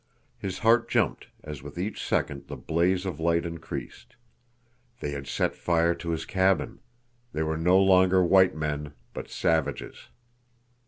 His heart jumped as with each second the blaze of light increased. They had set fire to his cabin. They were no longer white men, but savages.